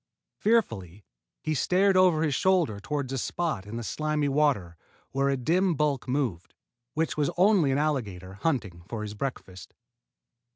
Fearfully he stared over his shoulder toward a spot in the slimy water where a dim bulk moved, which was only an alligator hunting for his breakfast.